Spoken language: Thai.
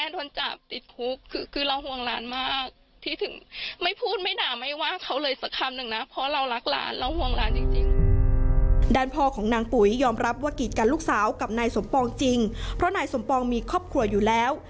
ด้านพ่อของนางปุ๋ยยอมรับว่ากีดกันลูกสาวกับนายสมปองจริงเพราะนายสมปองมีครอบครัวอยู่แล้ว